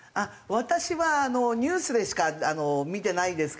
私はニュースでしか見てないんですけど。